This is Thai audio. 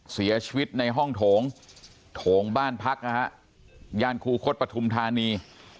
เสียชีวิตในห้องโถงโถงบ้านพักนะฮะย่านคูคศปฐุมธานี